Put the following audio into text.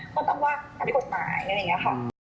มันต้องว่าอันนี้กฎหมายอย่างเงี้ยค่ะ